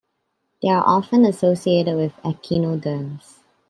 They are often associated with echinoderms.